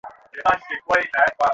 আসলে আমি বেশি ঘুরাঘুরি করিনি।